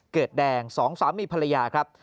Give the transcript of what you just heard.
แดงสองสามีภรรยาครับ